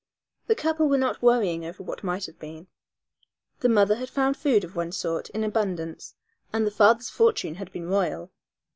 The couple were not worrying over what might have been. The mother had found food of one sort in abundance, and the father's fortune had been royal.